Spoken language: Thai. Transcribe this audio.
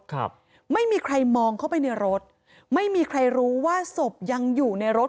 ครับไม่มีใครมองเข้าไปในรถไม่มีใครรู้ว่าศพยังอยู่ในรถ